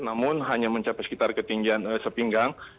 namun hanya mencapai sekitar ketinggian sepinggang